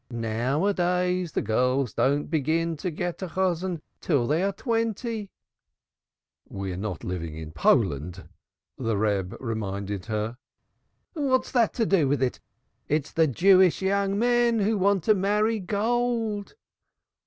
Now a days the girls don't begin to get a Chosan till they're twenty." "We are not living in Poland," the Reb reminded her. "What's that to do with it? It's the Jewish young men who want to marry gold."